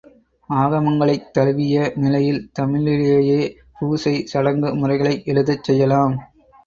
ஆகமங்களைத் தழுவிய நிலையில் தமிழிலேயே பூசை, சடங்கு முறைகளை எழுதச் செய்யலாம்.